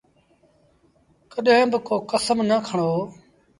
ڪڏهيݩ با ڪو ڪسم نا کڻو۔